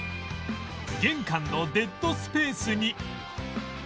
玄関のデッドスペースに